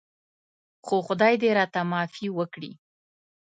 خو خدای دې راته معافي وکړي.